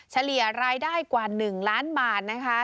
เฉลี่ยรายได้กว่า๑ล้านบาทนะคะ